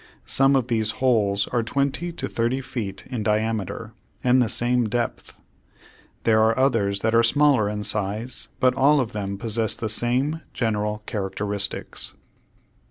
Some of these holes are twenty to thirty feet in diameter, and the same depth. There are others that are smaller in size, but all of them possess the same general characteristics.